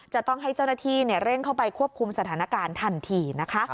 จะต้องให้เจ้าหน้าที่เร่งเข้าไปควบคุมสถานการณ์ทันทีนะคะ